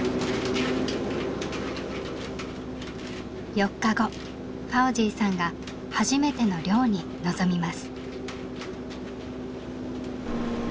４日後ファオジィさんが初めての漁に臨みます。